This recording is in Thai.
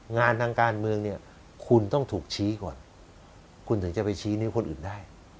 งานทางการเมืองเนี่ยคุณต้องถูกชี้ก่อนคุณถึงจะไปชี้นิ้วคนอื่นได้